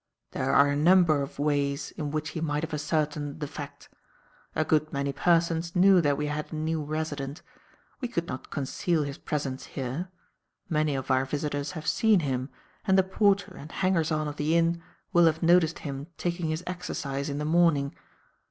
"There are a number of ways in which he might have ascertained the fact. A good many persons knew that we had a new resident. We could not conceal his presence here. Many of our visitors have seen him, and the porter and hangers on of the inn will have noticed him taking his exercise in the morning.